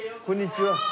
こんにちは。